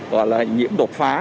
hoặc là nhiễm đột phá